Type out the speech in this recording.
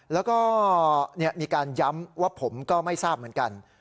แล้วก็มีการย้ำว่าผมก็ไม่ทราบเหมือนกัน